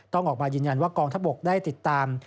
ออกมายืนยันว่ากองทัพบกได้ติดตาม